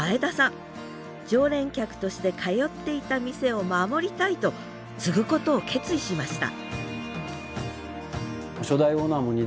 常連客として通っていた店を守りたいと継ぐことを決意しました